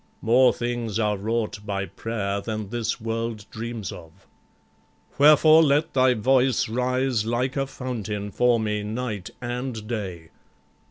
More things are wrought by prayer Than this world dreams of. Wherefore, let thy voice Rise like a fountain for me night and day.